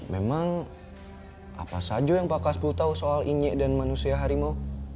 memang apa saja yang pak kaspul tahu soal injek dan manusia harimau